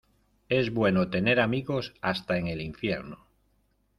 Es bueno tener amigos hasta en el infierno.